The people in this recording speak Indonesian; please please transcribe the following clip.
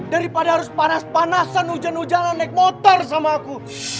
daripada harus panas panasan hujan hujanan naik motor sama aku